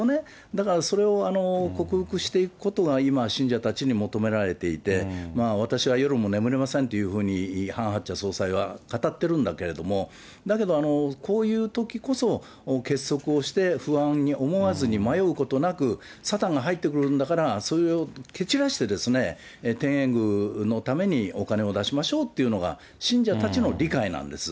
だからそれを克服していくことが、今、信者たちに求められていて、私は夜も眠れませんというふうにハン・ハクチャ総裁は語ってるんだけれども、だけど、こういうときこそ、結束をして、不安に思わずに、迷うことなく、サタンが入ってくるんだから、それを蹴散らしてですね、天苑宮のために、お金を出しましょうというのが、信者たちの理解なんです。